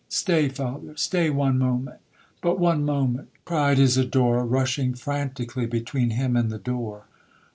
'—'Stay, father,—stay one moment,—but one moment!' cried Isidora, rushing franticly between him and the door.